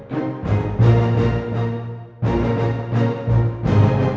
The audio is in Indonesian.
dan kita harus juga mencoba